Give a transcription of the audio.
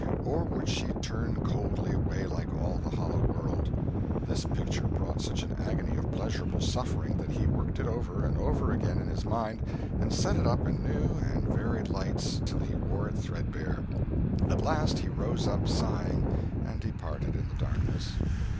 Or would she turn coldly away like all the hollow world? This picture brought such an agony of pleasurable suffering that he worked it over and over again in his mind and set it up in new and varied lights, till he wore it threadbare. At last he rose up sighing and departed in the darkness.